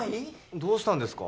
どうしたんですか？